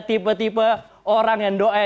tipe tipe orang yang doa